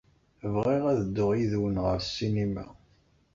Bɣiɣ ad dduɣ yid-wen ɣer ssinima.